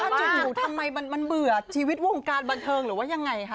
ถ้าจุดหนุ่ยทำไมมันเบื่อชีวิตวงกาลบันเทิงหรือว่าอย่างไรคะ